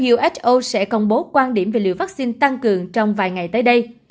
who sẽ công bố quan điểm về liệu vaccine tăng cường trong vài ngày tới đây